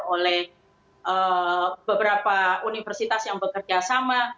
oleh beberapa universitas yang bekerja sama